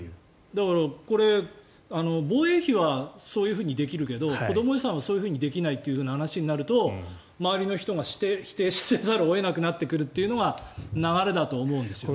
だからこれ、防衛費はそういうふうにできるけど子ども予算はそうできないという話になると周りの人が否定せざるを得なくなってくるというのが流れだと思うんですよね。